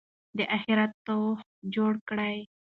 د آخرت توښه جوړه کړئ.